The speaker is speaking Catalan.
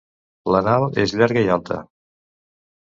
L'anal és llarga i alta.